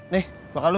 nih makan lo